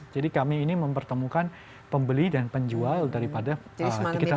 jadi kami ini mempertemukan pembeli dan penjual daripada dikitar masuk